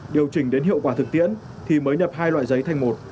điều chỉnh đến hiệu quả thực tiễn thì mới nhập hai loại giấy thành một